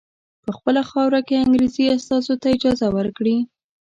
په خپله خاوره کې انګریزي استازو ته اجازه ورکړي.